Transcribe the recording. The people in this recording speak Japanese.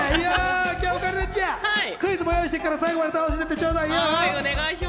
オカリナちゃん、クイズも用意してるので、最後まで楽しんでってちょうよ。